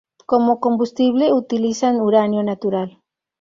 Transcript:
Como combustible utilizan uranio natural.